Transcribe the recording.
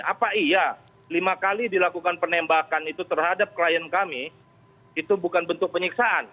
apa iya lima kali dilakukan penembakan itu terhadap klien kami itu bukan bentuk penyiksaan